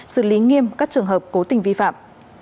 xử lý nghiêm các trường hợp cố tình vi phạm